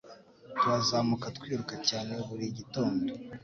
Tuhazamuka twiruka cyane buri gitondo